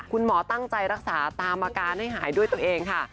คุณหมอตั้งใจรักษาตามอาการให้หายด้วยตัวเองค่ะ